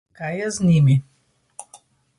Kaj je z njimi?